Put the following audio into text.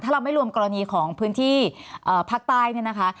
ถ้าเราไม่รวมกรณีของพื้นที่พักใต้นี่นะคะ